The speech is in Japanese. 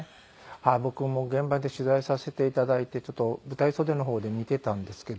僕も現場で取材をさせて頂いてちょっと舞台袖の方で見ていたんですけども。